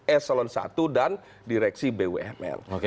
eselon i dan direksi bumn